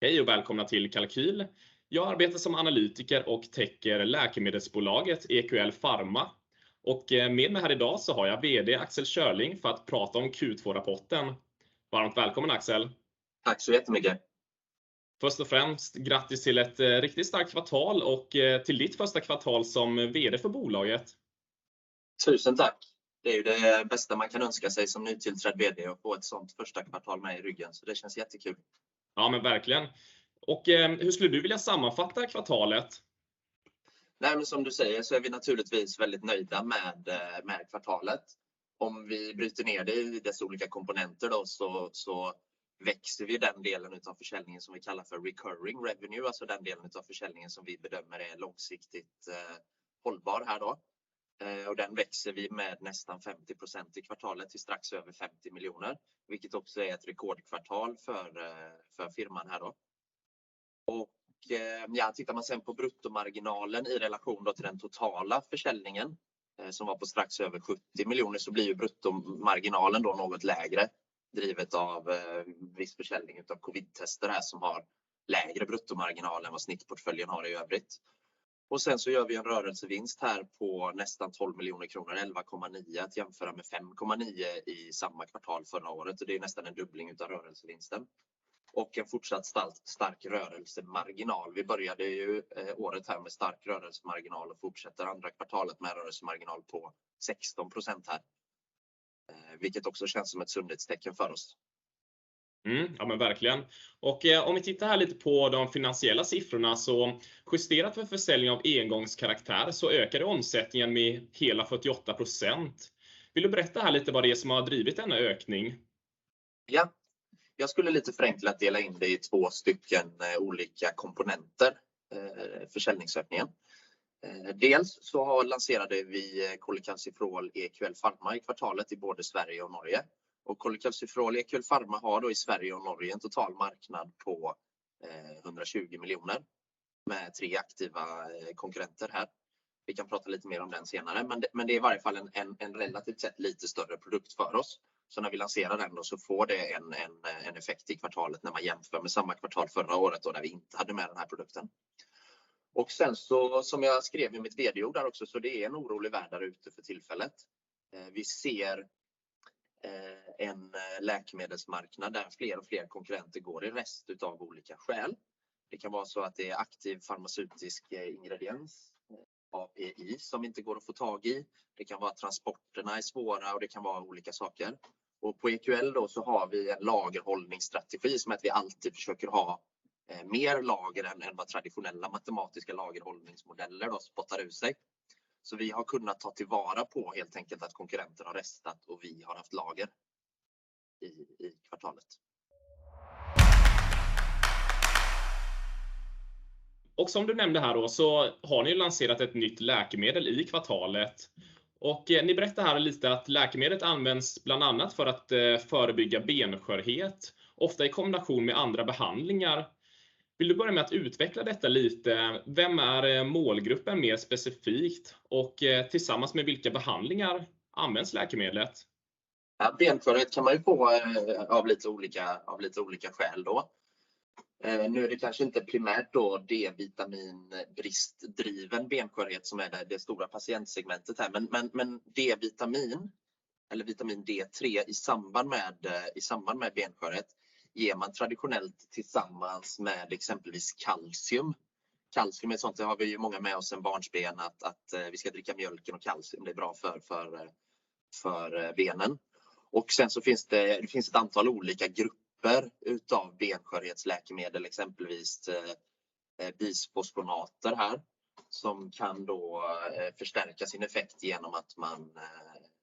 Hej och välkomna till Kalqyl. Jag arbetar som analytiker och täcker läkemedelsbolaget EQL Pharma och med mig här i dag så har jag VD Axel Schörling för att prata om Q2-rapporten. Varmt välkommen Axel. Tack så jättemycket. Först och främst grattis till ett riktigt starkt kvartal och till ditt första kvartal som VD för bolaget. Tusen tack. Det är ju det bästa man kan önska sig som nytillträdd vd att få ett sådant första kvartal med i ryggen. Så det känns jättekul. Ja, men verkligen. Hur skulle du vilja sammanfatta kvartalet? Nej, men som du säger så är vi naturligtvis väldigt nöjda med kvartalet. Om vi bryter ner det i dess olika komponenter då så växer vi den delen av försäljningen som vi kallar för recurring revenue, alltså den delen av försäljningen som vi bedömer är långsiktigt hållbar här då. Den växer vi med nästan 50% i kvartalet till strax över 50 miljoner, vilket också är ett rekordkvartal för firman här då. Ja, tittar man sedan på bruttomarginalen i relation då till den totala försäljningen, som var på strax över 70 miljoner, så blir ju bruttomarginalen då något lägre, drivet av viss försäljning utav covid-tester här som har lägre bruttomarginal än vad snittportföljen har i övrigt. Sen så gör vi en rörelsevinst här på nästan 12 million kronor, 11.9 million, att jämföra med 5.9 million i samma kvartal förra året. Det är nästan en dubbling utav rörelsevinsten. En fortsatt stark rörelsemarginal. Vi började ju året här med stark rörelsemarginal och fortsätter andra kvartalet med rörelsemarginal på 16% här. Vilket också känns som ett sundhetstecken för oss. Ja, men verkligen. Om vi tittar här lite på de finansiella siffrorna så justerat för försäljning av engångskaraktär så ökade omsättningen med hela 48%. Vill du berätta här lite vad det är som har drivit denna ökning? Ja, jag skulle lite förenklat dela in det i 2 stycken olika komponenter, försäljningsökningen. Dels så lanserade vi Colecalciferol EQL Pharma i kvartalet i både Sverige och Norge. Colecalciferol EQL Pharma har då i Sverige och Norge en total marknad på 120 miljoner med 3 aktiva konkurrenter här. Vi kan prata lite mer om den senare, men det är i varje fall en relativt sett lite större produkt för oss. När vi lanserar den då så får det en effekt i kvartalet när man jämför med samma kvartal förra året då när vi inte hade med den här produkten. Som jag skrev i mitt VD-ord där också, det är en orolig värld där ute för tillfället. Vi ser en läkemedelsmarknad där fler och fler konkurrenter går i konkurs av olika skäl. Det kan vara så att det är aktiv farmaceutisk ingrediens, API, som inte går att få tag i. Det kan vara transporterna är svåra och det kan vara olika saker. På EQL då så har vi en lagerhållningsstrategi som att vi alltid försöker ha mer lager än vad traditionella matematiska lagerhållningsmodeller då spottar ur sig. Vi har kunnat ta till vara på helt enkelt att konkurrenter har restat och vi har haft lager i kvartalet. Som du nämnde här då så har ni lanserat ett nytt läkemedel i kvartalet och ni berättar här lite att läkemedlet används bland annat för att förebygga benskörhet, ofta i kombination med andra behandlingar. Vill du börja med att utveckla detta lite? Vem är målgruppen mer specifikt och tillsammans med vilka behandlingar används läkemedlet? Ja, benskörhet kan man ju få av lite olika skäl då. Nu är det kanske inte primärt D-vitaminbristdriven benskörhet som är det stora patientsegmentet här. Men D-vitamin eller Vitamin D3 i samband med benskörhet ger man traditionellt tillsammans med exempelvis kalcium. Kalcium är ett sådant, det har vi ju många med oss sen barnsben att vi ska dricka mjölken och kalcium, det är bra för benen. Sen så finns det ett antal olika grupper av benskörhetsläkemedel, exempelvis bisfosfonater här, som kan förstärka sin effekt genom att man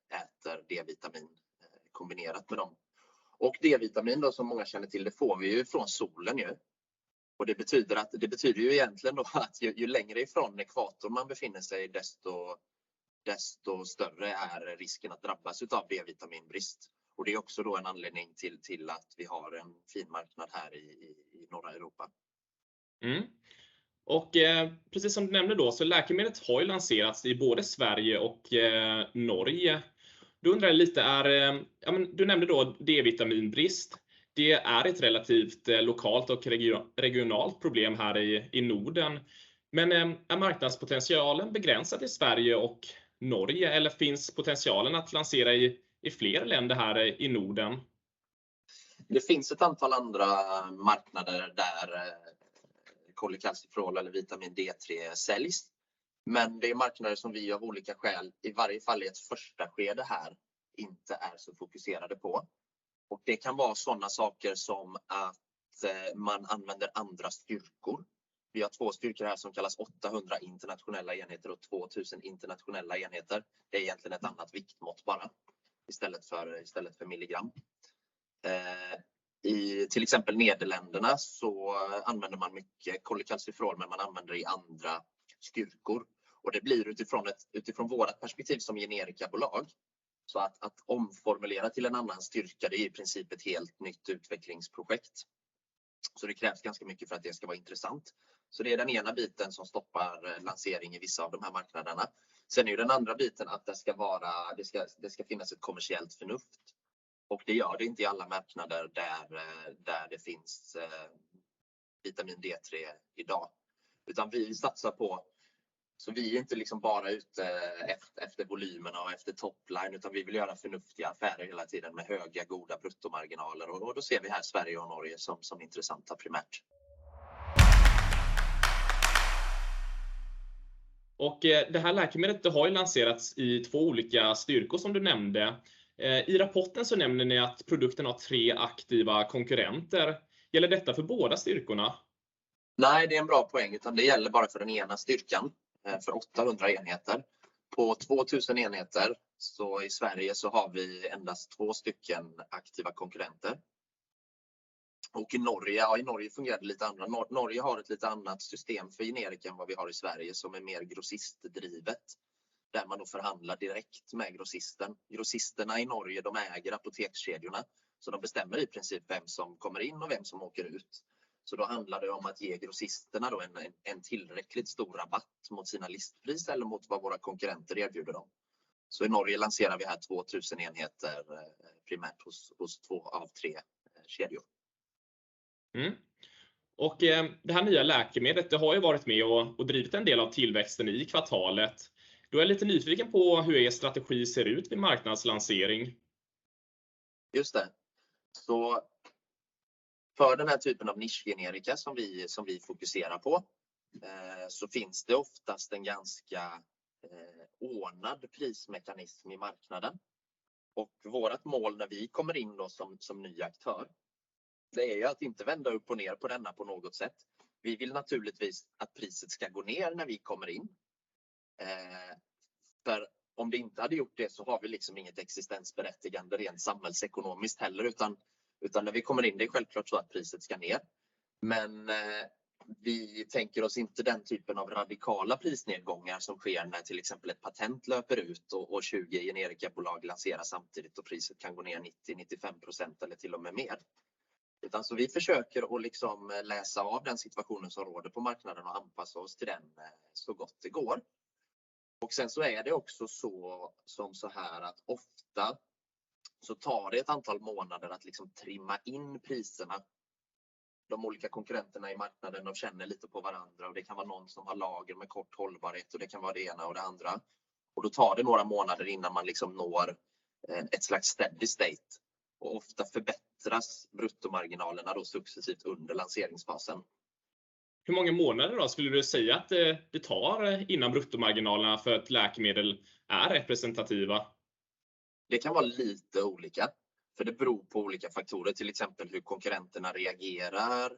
äter D-vitamin kombinerat med dem. Och D-vitamin som många känner till, det får vi ju från solen. Det betyder ju egentligen då att ju längre ifrån ekvator man befinner sig, desto större är risken att drabbas utav D-vitaminbrist. Det är också då en anledning till att vi har en fin marknad här i norra Europa. Precis som du nämnde då, så läkemedlet har ju lanserats i både Sverige och Norge. Då undrar jag lite. Ja, men du nämnde då D-vitaminbrist. Det är ett relativt lokalt och regionalt problem här i Norden. Är marknadspotentialen begränsad till Sverige och Norge? Eller finns potentialen att lansera i fler länder här i Norden? Det finns ett antal andra marknader där kolekalciferol eller Vitamin D3 säljs. Det är marknader som vi av olika skäl, i varje fall i ett första skede här, inte är så fokuserade på. Det kan vara sådana saker som att man använder andra styrkor. Vi har två styrkor här som kallas 800 internationella enheter och 2000 internationella enheter. Det är egentligen ett annat viktmått bara istället för milligram. I till exempel Nederländerna så använder man mycket kolekalciferol, men man använder i andra styrkor. Det blir utifrån vårt perspektiv som generikabolag, så att omformulera till en annan styrka, det är i princip ett helt nytt utvecklingsprojekt. Det krävs ganska mycket för att det ska vara intressant. Det är den ena biten som stoppar lansering i vissa av de här marknaderna. Är det den andra biten att det ska finnas ett kommersiellt förnuft och det gör det inte i alla marknader där det finns Vitamin D3 idag. Vi satsar på, så vi är inte bara ute efter volymerna och efter top line, utan vi vill göra förnuftiga affärer hela tiden med höga goda bruttomarginaler. Då ser vi här Sverige och Norge som intressanta primärt. Det här läkemedlet har ju lanserats i två olika styrkor som du nämnde. I rapporten så nämner ni att produkten har tre aktiva konkurrenter. Gäller detta för båda styrkorna? Nej, det är en bra poäng, men det gäller bara för den ena styrkan, för 800 enheter. På 2000 enheter så i Sverige så har vi endast två stycken aktiva konkurrenter. I Norge fungerar det lite annorlunda. Norge har ett lite annat system för generika än vad vi har i Sverige som är mer grossistdrivet, där man då förhandlar direkt med grossisten. Grossisterna i Norge, de äger apotekskedjorna så de bestämmer i princip vem som kommer in och vem som åker ut. Det handlar om att ge grossisterna en tillräckligt stor rabatt mot sina listpris eller mot vad våra konkurrenter erbjuder dem. I Norge lanserar vi 2000 enheter primärt hos två av tre kedjor. Det här nya läkemedlet, det har ju varit med och drivit en del av tillväxten i kvartalet. Då är jag lite nyfiken på hur er strategi ser ut vid marknadslansering. Just det. För den här typen av nischgenerika som vi fokuserar på, så finns det oftast en ganska ordnad prismekanism i marknaden. Vårt mål när vi kommer in då som ny aktör, det är ju att inte vända upp och ner på denna på något sätt. Vi vill naturligtvis att priset ska gå ner när vi kommer in. För om det inte hade gjort det så har vi liksom inget existensberättigande rent samhällsekonomiskt heller utan när vi kommer in, det är självklart så att priset ska ner. Vi tänker oss inte den typen av radikala prisnedgångar som sker när till exempel ett patent löper ut och 20 generikabolag lanserar samtidigt och priset kan gå ner 90, 95% eller till och med mer. Vi försöker att liksom läsa av den situationen som råder på marknaden och anpassa oss till den så gott det går. Sen så är det också så som såhär att ofta så tar det ett antal månader att liksom trimma in priserna. De olika konkurrenterna i marknaden, de känner lite på varandra och det kan vara någon som har lager med kort hållbarhet och det kan vara det ena och det andra. Då tar det några månader innan man liksom når ett slags steady state och ofta förbättras bruttomarginalerna då successivt under lanseringsfasen. Hur många månader då skulle du säga att det tar innan bruttomarginalerna för ett läkemedel är representativa? Det kan vara lite olika för det beror på olika faktorer, till exempel hur konkurrenterna reagerar.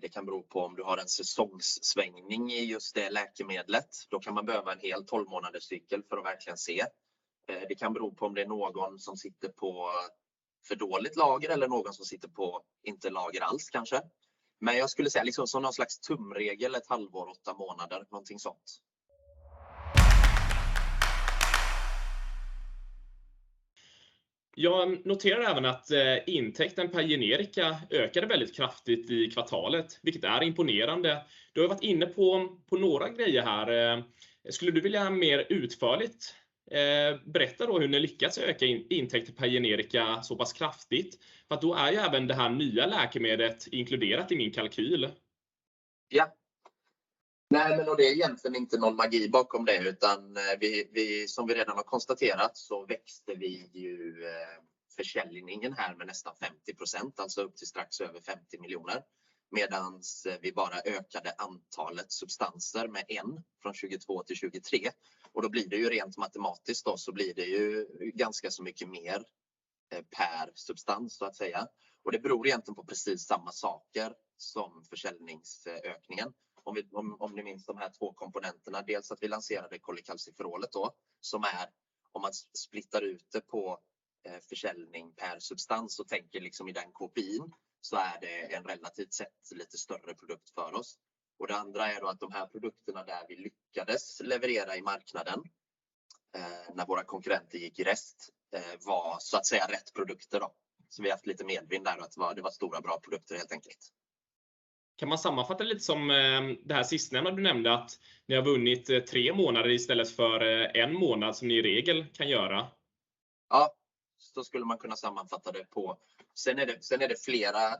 Det kan bero på om du har en säsongssvängning i just det läkemedlet. Då kan man behöva en hel 12-månaderscykel för att verkligen se. Det kan bero på om det är någon som sitter på för dåligt lager eller någon som sitter på inte lager alls kanske. Men jag skulle säga liksom som något slags tumregel, ett halvår, 8 månader, någonting sånt. Jag noterar även att intäkten per generika ökade väldigt kraftigt i kvartalet, vilket är imponerande. Du har varit inne på några grejer här. Skulle du vilja mer utförligt berätta då hur ni lyckats öka intäkten per generika så pass kraftigt? För att då är ju även det här nya läkemedlet inkluderat i min kalkyl. Det är egentligen inte någon magi bakom det, utan vi som vi redan har konstaterat så växte vi ju försäljningen här med nästan 50%, alltså upp till strax över 50 million. Medans vi bara ökade antalet substanser med en från 22 till 23. Det blir det ju rent matematiskt ganska så mycket mer per substans så att säga. Det beror egentligen på precis samma saker som försäljningsökningen. Om vi om ni minns de här två komponenterna, dels att vi lanserade kolekalciferol då som är, om man splittar ut det på försäljning per substans och tänker liksom i den kopplingen, så är det en relativt sett lite större produkt för oss. Det andra är då att de här produkterna där vi lyckades leverera i marknaden när våra konkurrenter gick i rest var så att säga rätt produkter då. Vi har haft lite medvind där och att det var stora bra produkter helt enkelt. Kan man sammanfatta lite som det här sistnämnda du nämnde att ni har vunnit 3 månader istället för 1 månad som ni i regel kan göra? Så skulle man kunna sammanfatta det så. Ärt det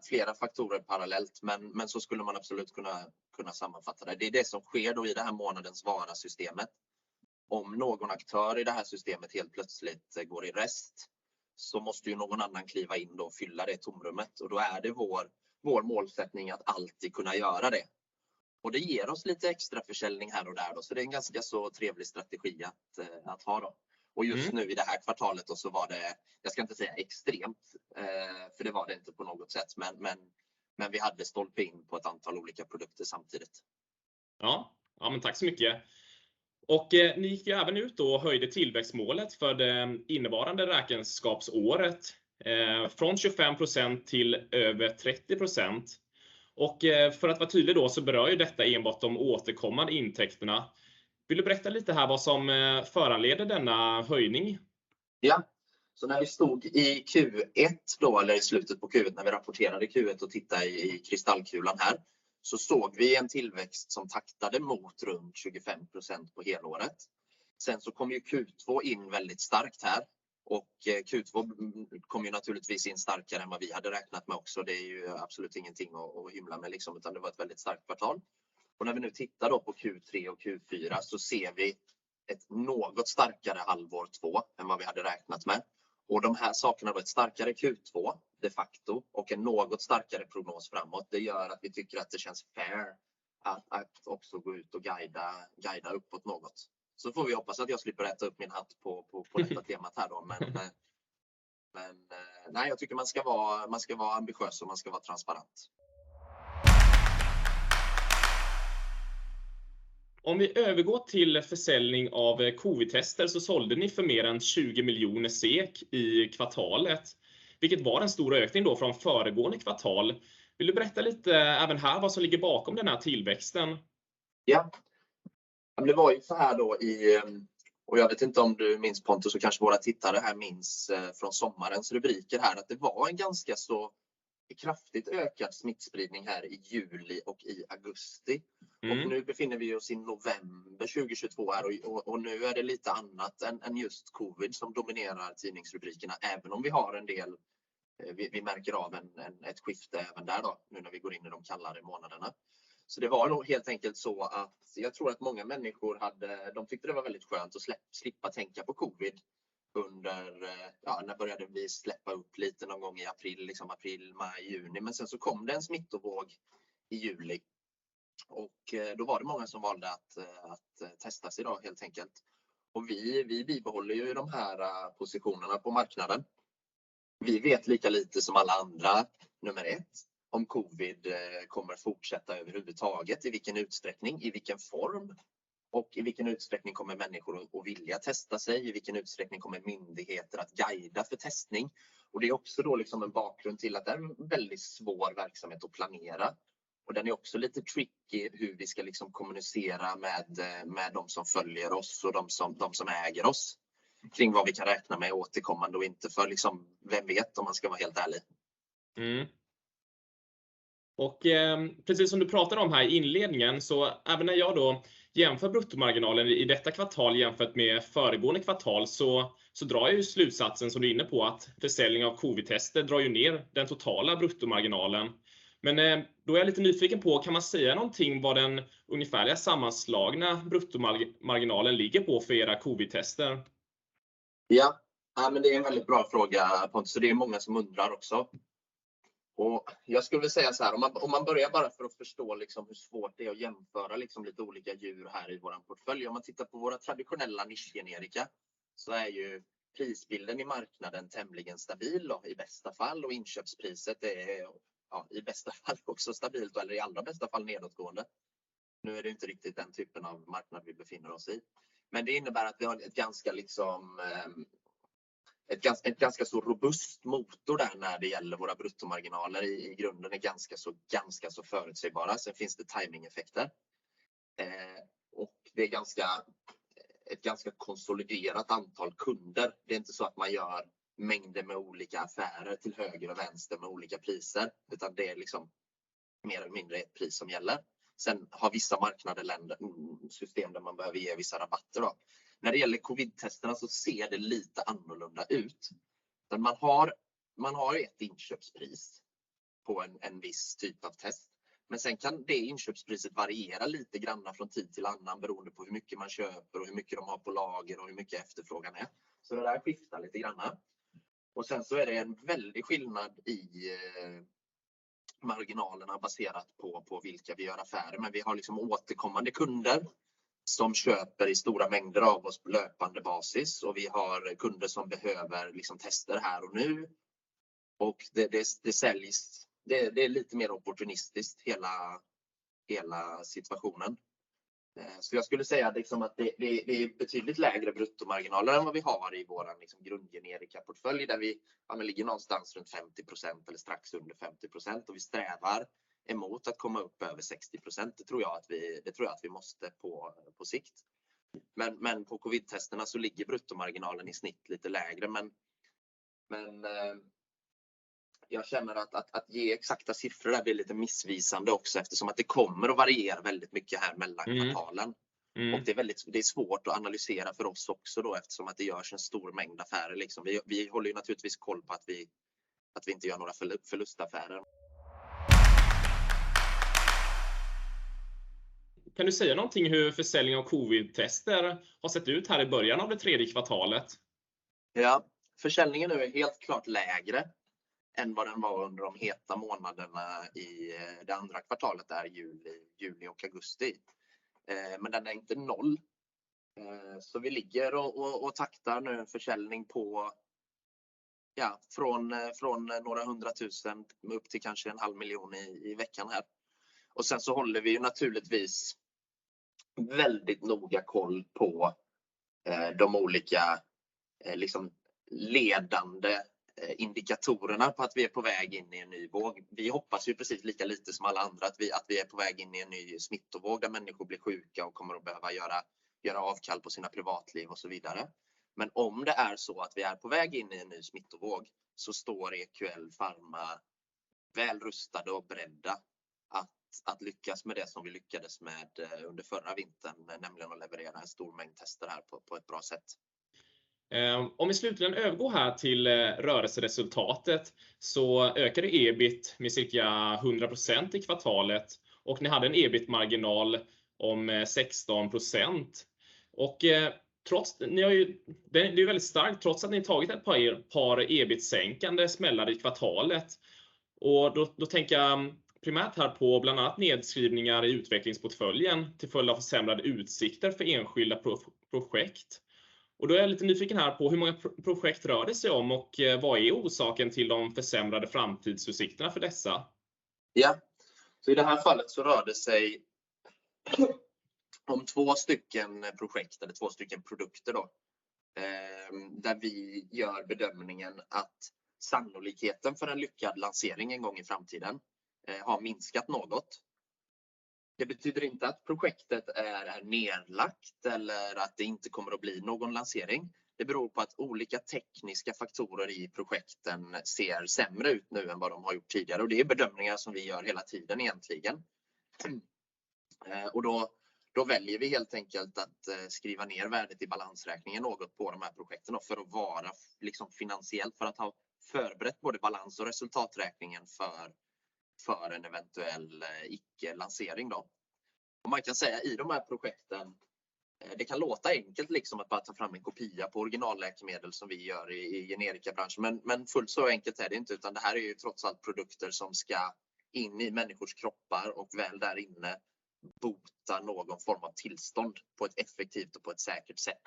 flera faktorer parallellt, men så skulle man absolut kunna sammanfatta det. Det är det som sker i det här periodens vara-systemet. Om någon aktör i det här systemet helt plötsligt går i konkurs så måste ju någon annan kliva in och fylla det tomrummet och det är vår målsättning att alltid kunna göra det. Det ger oss lite extraförsäljning här och där, så det är en ganska så trevlig strategi att ha. Just nu i det här kvartalet var det, jag ska inte säga extremt, för det var det inte på något sätt. Vi hade stolpe in på ett antal olika produkter samtidigt. Ja, ja men tack så mycket. Ni gick även ut och höjde tillväxtmålet för det innevarande räkenskapsåret, från 25% till över 30%. För att vara tydlig då så berör ju detta enbart de återkommande intäkterna. Vill du berätta lite här vad som föranleder denna höjning? När vi stod i Q1 då, eller i slutet på Q1 när vi rapporterade Q1 och titta i kristallkulan här, så såg vi en tillväxt som taktade mot runt 25% på helåret. Kom ju Q2 in väldigt starkt här och Q2 kom ju naturligtvis in starkare än vad vi hade räknat med också. Det är ju absolut ingenting att hymla med liksom, utan det var ett väldigt starkt kvartal. När vi nu tittar då på Q3 och Q4 så ser vi ett något starkare halvår 2 än vad vi hade räknat med. De här sakerna var ett starkare Q2 de facto och en något starkare prognos framåt. Det gör att vi tycker att det känns fair att också gå ut och guida uppåt något. Får vi hoppas att jag slipper äta upp min hatt på detta temat här då. Nej, jag tycker man ska vara ambitiös och man ska vara transparent. Om vi övergår till försäljning av covid-tester sålde ni för mer än 20 million SEK i kvartalet, vilket var en stor ökning då från föregående kvartal. Vill du berätta lite även här vad som ligger bakom den här tillväxten? Ja, det var ju såhär då i, och jag vet inte om du minns Pontus och kanske våra tittare här minns från sommarens rubriker här att det var en ganska så kraftigt ökad smittspridning här i juli och i augusti. Nu befinner vi oss i november 2022 och nu är det lite annat än just COVID som dominerar tidningsrubrikerna, även om vi har en del, vi märker av ett skifte även där då, nu när vi går in i de kallare månaderna. Det var nog helt enkelt så att jag tror att många människor hade, de tyckte det var väldigt skönt att slippa tänka på COVID under, ja, när började vi släppa upp lite någon gång i april, liksom april, maj, juni. Sen så kom det en smittovåg i juli och då var det många som valde att testa sig då helt enkelt. Vi bibehåller ju de här positionerna på marknaden. Vi vet lika lite som alla andra, nummer ett, om COVID kommer att fortsätta överhuvudtaget, i vilken utsträckning, i vilken form och i vilken utsträckning kommer människor att vilja testa sig, i vilken utsträckning kommer myndigheter att guida för testning. Det är också då liksom en bakgrund till att det är en väldigt svår verksamhet att planera. Den är också lite tricky hur vi ska liksom kommunicera med de som följer oss och de som äger oss kring vad vi kan räkna med återkommande och inte för liksom vem vet om man ska vara helt ärlig. Precis som du pratar om här i inledningen, så även när jag då jämför bruttomarginalen i detta kvartal jämfört med föregående kvartal så drar jag ju slutsatsen som du är inne på att försäljning av covid-tester drar ju ner den totala bruttomarginalen. Då är jag lite nyfiken på kan man säga någonting vad den ungefärliga sammanslagna bruttomarginalen ligger på för era covid-tester? Ja, nej men det är en väldigt bra fråga Pontus. Det är många som undrar också. Jag skulle säga så här, om man börjar bara för att förstå liksom hur svårt det är att jämföra liksom lite olika djur här i vår portfölj. Om man tittar på våra traditionella nischgenerika så är ju prisbilden i marknaden tämligen stabil då i bästa fall och inköpspriset är i bästa fall också stabilt eller i allra bästa fall nedåtgående. Nu är det inte riktigt den typen av marknad vi befinner oss i, men det innebär att vi har ett ganska robust motor där när det gäller våra bruttomarginaler i grunden är ganska så förutsägbara. Sen finns det timingeffekter. Det är ett ganska konsoliderat antal kunder. Det är inte så att man gör mängder med olika affärer till höger och vänster med olika priser, utan det är liksom mer eller mindre ett pris som gäller. Vissa marknader eller länder har system där man behöver ge vissa rabatter då. När det gäller covid-testerna så ser det lite annorlunda ut. Man har ett inköpspris på en viss typ av test, men sen kan det inköpspriset variera lite grann från tid till annan, beroende på hur mycket man köper och hur mycket de har på lager och hur mycket efterfrågan är. Det där skiftar lite grann. Det är en väldig skillnad i marginalerna baserat på vilka vi gör affärer. Vi har liksom återkommande kunder som köper i stora mängder av oss på löpande basis. Vi har kunder som behöver liksom tester här och nu. Det säljs, det är lite mer opportunistiskt hela situationen. Jag skulle säga liksom att det är betydligt lägre bruttomarginaler än vad vi har i vår liksom grundgenerika portfölj, där vi ligger någonstans runt 50% eller strax under 50%. Vi strävar efter att komma upp över 60%. Det tror jag att vi måste på sikt. På COVID-testerna så ligger bruttomarginalen i snitt lite lägre. Jag känner att ge exakta siffror där blir lite missvisande också eftersom det kommer att variera väldigt mycket här mellan kvartalen. Det är svårt att analysera för oss också då eftersom det görs en stor mängd affärer liksom. Vi håller ju naturligtvis koll på att vi inte gör några förlustaffärer. Kan du säga någonting hur försäljning av COVID-tester har sett ut här i början av det tredje kvartalet? Försäljningen nu är helt klart lägre än vad den var under de heta månaderna i det andra kvartalet där i juli, juni och augusti. Den är inte noll. Vi ligger och taktar nu en försäljning på, ja från några 100,000 SEK upp till kanske en halv miljon SEK i veckan här. Sen så håller vi naturligtvis väldigt noga koll på de olika liksom ledande indikatorerna på att vi är på väg in i en ny våg. Vi hoppas ju precis lika lite som alla andra att vi är på väg in i en ny smittovåg där människor blir sjuka och kommer att behöva göra avkall på sina privatliv och så vidare. Om det är så att vi är på väg in i en ny smittovåg så står EQL Pharma väl rustade och beredda att lyckas med det som vi lyckades med under förra vintern, nämligen att leverera en stor mängd tester här på ett bra sätt. Om vi slutligen övergår här till rörelseresultatet så ökade EBIT med cirka 100% i kvartalet och ni hade en EBIT-marginal om 16%. Trots ni har ju, det är ju väldigt starkt trots att ni tagit ett par EBIT-sänkande smällar i kvartalet. Då tänker jag primärt här på bland annat nedskrivningar i utvecklingsportföljen till följd av försämrade utsikter för enskilda projekt. Då är jag lite nyfiken här på hur många projekt rör det sig om och vad är orsaken till de försämrade framtidsutsikterna för dessa? I det här fallet så rör det sig om 2 stycken projekt eller 2 stycken produkter då. Där vi gör bedömningen att sannolikheten för en lyckad lansering en gång i framtiden har minskat något. Det betyder inte att projektet är nedlagt eller att det inte kommer att bli någon lansering. Det beror på att olika tekniska faktorer i projekten ser sämre ut nu än vad de har gjort tidigare. Det är bedömningar som vi gör hela tiden egentligen. Då väljer vi helt enkelt att skriva ner värdet i balansräkningen något på de här projekten för att vara liksom finansiellt, för att ha förberett både balans- och resultaträkningen för en eventuell icke-lansering då. Man kan säga i de här projekten, det kan låta enkelt liksom att bara ta fram en kopia på originalläkemedel som vi gör i generikabranschen. Fullt så enkelt är det inte, utan det här är ju trots allt produkter som ska in i människors kroppar och väl där inne bota någon form av tillstånd på ett effektivt och på ett säkert sätt.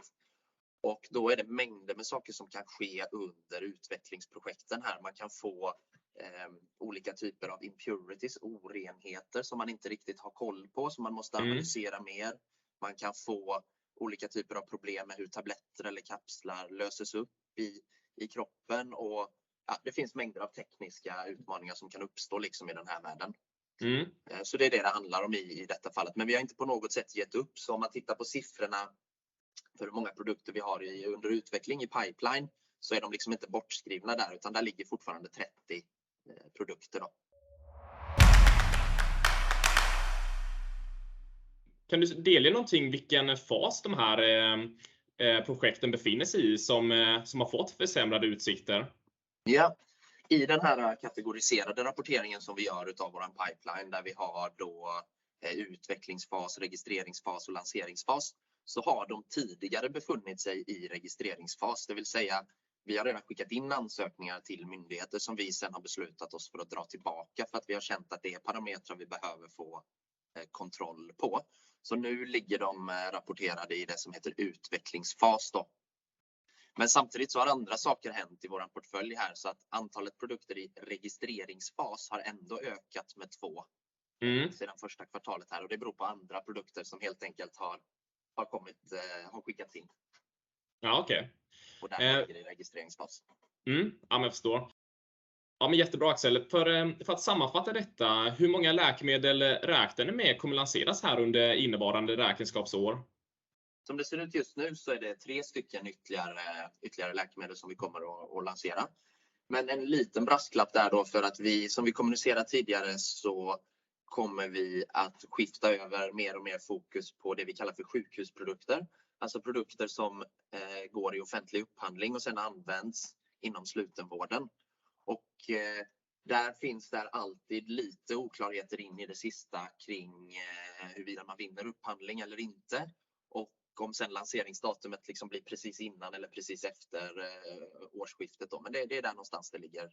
Då är det mängder med saker som kan ske under utvecklingsprojekten här. Man kan få, olika typer av impurities, orenheter som man inte riktigt har koll på, som man måste analysera mer. Man kan få olika typer av problem med hur tabletter eller kapslar löses upp i kroppen och, ja, det finns mängder av tekniska utmaningar som kan uppstå liksom i den här världen. Det är det det handlar om i detta fallet, men vi har inte på något sätt gett upp. Om man tittar på siffrorna för hur många produkter vi har under utveckling i pipeline så är de liksom inte bortskrivna där, utan där ligger fortfarande 30 produkter då. Kan du delge någonting vilken fas de här projekten befinner sig i som har fått försämrade utsikter? Ja, i den här kategoriserade rapporteringen som vi gör av vår pipeline, där vi har då utvecklingsfas, registreringsfas och lanseringsfas, så har de tidigare befunnit sig i registreringsfas. Det vill säga, vi har redan skickat in ansökningar till myndigheter som vi sedan har beslutat oss för att dra tillbaka för att vi har känt att det är parametrar vi behöver få kontroll på. Nu ligger de rapporterade i det som heter utvecklingsfas då. Samtidigt så har andra saker hänt i vår portfölj här så att antalet produkter i registreringsfas har ändå ökat med 2 sedan första kvartalet här och det beror på andra produkter som helt enkelt har kommit, har skickats in. Ja, okej. Där ligger det registreringsfas. Ja, men jag förstår. Ja, men jättebra Axel. För att sammanfatta detta, hur många läkemedel räknar ni med kommer lanseras här under innevarande räkenskapsår? Som det ser ut just nu så är det 3 stycken ytterligare läkemedel som vi kommer att lansera. En liten brasklapp där då för att vi, som vi kommunicerat tidigare, så kommer vi att skifta över mer och mer fokus på det vi kallar för sjukhusprodukter. Alltså produkter som går i offentlig upphandling och sedan används inom slutenvården. Där finns alltid lite oklarheter in i det sista kring huruvida man vinner upphandling eller inte och om sedan lanseringsdatumet liksom blir precis innan eller precis efter årsskiftet då. Det är där någonstans det ligger.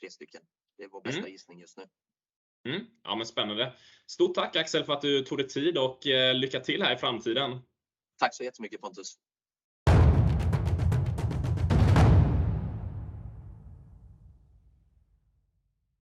3 stycken. Det är vår bästa gissning just nu. Ja, men spännande. Stort tack Axel för att du tog dig tid och lycka till här i framtiden. Tack så jättemycket Pontus.